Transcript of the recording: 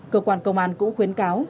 cơ quan công an cũng khuyến cáo